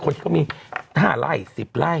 ที่เขามี๕ไร่๑๐ไร่